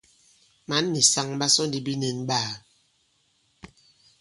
Mǎn nì saŋ ɓa sɔ ndi binīn ɓaā.